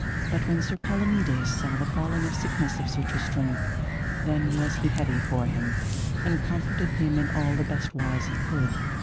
But when Sir Palomides saw the falling of sickness of Sir Tristram, then was he heavy for him, and comforted him in all the best wise he could.